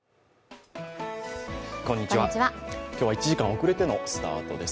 今日は１時間遅れてのスタートです。